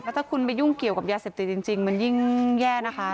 ถ้าคุณไปยุ่งเกี่ยวกับยาเสพติดจริงมันยิ่งแย่นะคะ